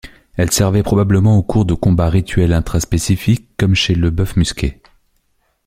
Elles servaient probablement au cours de combats rituels intraspécifiques, comme chez le bœuf musqué.